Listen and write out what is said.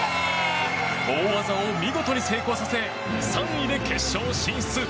大技を見事に成功させ３位で決勝進出。